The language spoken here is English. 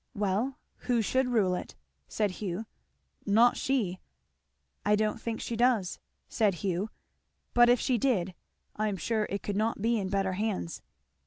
"Well who should rule it?" said Hugh. "Not she!" "I don't think she does," said Hugh; "but if she did, I am sure it could not be in better hands."